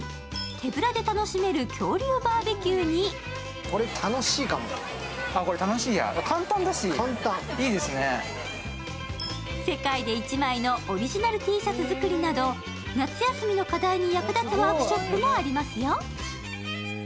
手ぶらで楽しめる恐竜バーベキューに世界で１枚のオリジナルＴシャツ作りなど、夏休みの課題に役立つワークショップもありますよ。